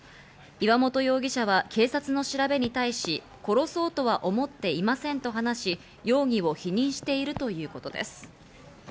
岩本容疑者は警察の調べに対し、殺そうとは思っていませんと話し、容疑を否認しているということです。